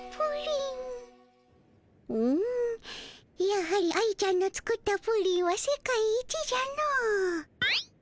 やはり愛ちゃんの作ったプリンは世界一じゃの。